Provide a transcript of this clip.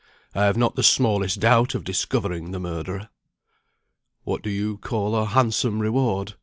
I have not the smallest doubt of discovering the murderer." "What do you call a handsome reward?"